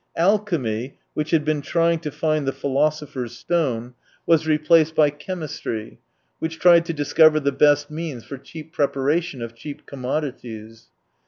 Alchemy, which had been trying to find the philosopher's stone, was replaced by 117 chemistry:, which tried to discover the best means for cheap preparation of cheap com modities.